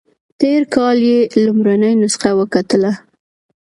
تېر کال یې لومړنۍ نسخه وکتله.